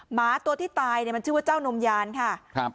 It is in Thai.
หมาตัวที่ตายเนี่ยมันชื่อว่าเจ้านมยานค่ะครับ